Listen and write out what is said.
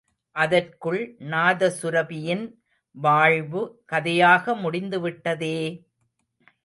அதற்குள் நாதசுரபியின் வாழ்வு, கதையாக முடிந்துவிட்டதே!